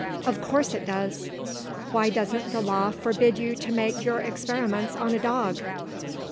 "Of course it does!" "Why doesn't the Law forbid you to make your experiments on a dog?"